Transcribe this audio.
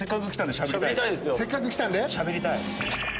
しゃべりたい。